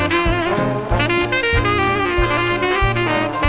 สวัสดีครับ